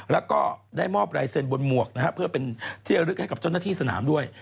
แล้วก็ได้มอบลายเซ็นบนหมวกนะฮะเพื่อเป็นที่ระลึกให้กับเจ้าหน้าที่สนามด้วย